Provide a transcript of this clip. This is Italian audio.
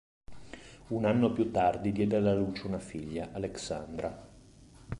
Un anno più tardi diede alla luce una figlia, Aleksandra.